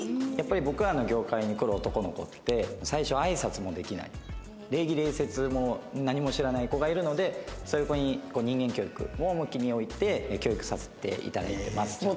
やっぱり僕らの業界に来る男の子って最初あいさつもできない礼儀礼節も何も知らない子がいるのでそういう子に人間教育を重きにおいて教育させて頂いてます。